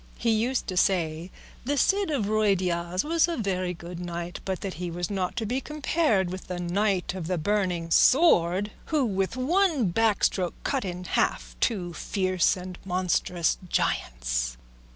He used to say the Cid Ruy Diaz was a very good knight, but that he was not to be compared with the Knight of the Burning Sword who with one back stroke cut in half two fierce and monstrous giants.